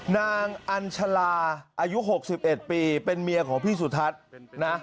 นางอัญชาลาอายุ๖๑ปีเป็นเมียของพี่สุทัศน์นะ